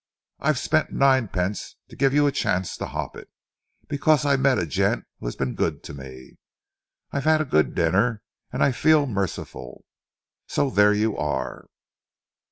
I've spent ninepence to give you a chance to hop it, because I met a gent who has been good to me. I've had a good dinner and I feel merciful. So there you are."